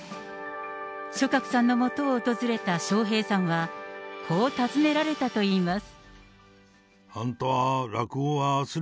松鶴産のもとを訪れた笑瓶さんは、こう尋ねられたといいます。